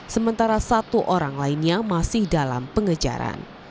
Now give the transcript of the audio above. sementara satu orang lainnya masih dalam pengejaran